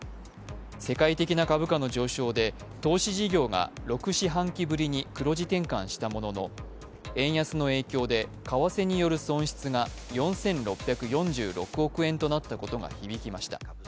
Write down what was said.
世界的な株価の上昇で投資事業が６四半期ぶりに黒字転換したものの円安の影響で、為替による損失が４６４６億円となったことが響きました。